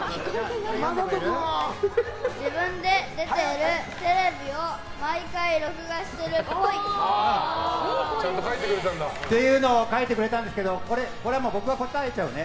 自分で出てるテレビを毎回録画してるっぽい。っていうのを書いてくれたんですけどこれは僕が答えちゃうね。